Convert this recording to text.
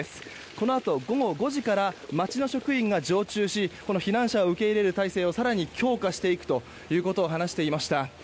このあと午後５時から町の職員が常駐し避難者を受け入れる体制を更に強化していくことを話していました。